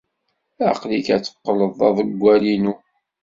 Aql-ik ad teqqled d aḍewwal-inu.